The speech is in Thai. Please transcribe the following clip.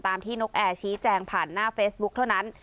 ที่นกแอร์ชี้แจงผ่านหน้าเฟซบุ๊คเท่านั้น